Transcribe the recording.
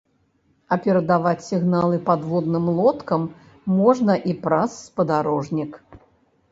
А перадаваць сігналы падводным лодкам можна і праз спадарожнік.